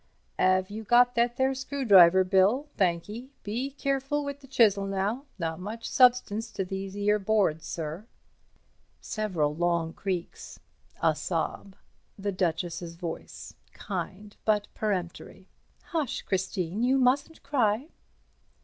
"'Ave you got that there screw driver, Bill? Thank 'ee. Be keerful wi' the chisel now. Not much substance to these 'ere boards, sir." Several long creaks. A sob. The Duchess's voice, kind but peremptory. "Hush, Christine. You mustn't cry."